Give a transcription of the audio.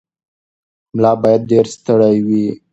ملا باید ډېر ستړی وي.